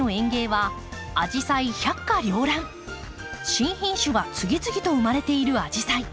新品種が次々と生まれているあじさい。